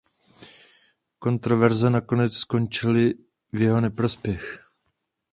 Kontroverze nakonec skončily v jeho neprospěch.